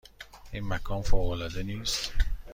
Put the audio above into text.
این مکان فوق العاده نیست؟